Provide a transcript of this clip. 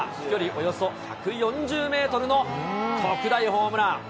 およそ１４０メートルの特大ホームラン。